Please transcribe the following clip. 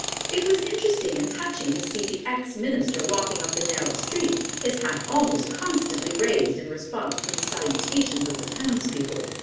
It was interesting and touching to see the ex minister walking up the narrow street, his hat almost constantly raised in response to the salutations of the townspeople."